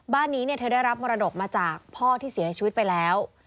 บ้านนี้เธอได้รับมรดกมาจากพ่อที่เสียชีวิตไปแล้ว